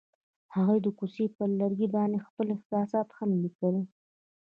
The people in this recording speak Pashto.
هغوی د کوڅه پر لرګي باندې خپل احساسات هم لیکل.